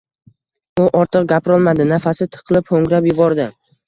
U ortiq gapirolmadi, nafasi tiqilib, ho‘ngrab yubordi.